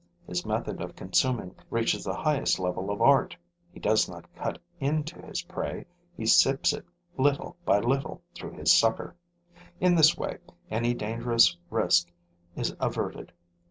His method of consuming reaches the highest level of art: he does not cut into his prey, he sips it little by little through his sucker. In this way, any dangerous risk is averted.